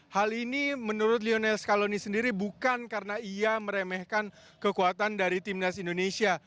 hal ini menurut lionel scaloni sendiri bukan karena ia meremehkan kekuatan dari timnas indonesia